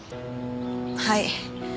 はい。